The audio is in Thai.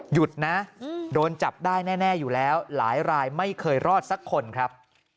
หยุดนะโดนจับได้แน่อยู่แล้วหลายรายไม่เคยรอดสักคนครับ